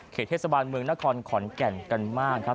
เทศบาลเมืองนครขอนแก่นกันมากครับ